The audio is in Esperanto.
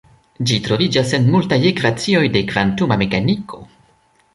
Ĝi troviĝas en multaj ekvacioj de kvantuma mekaniko.